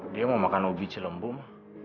dia mau makan ubi cilembung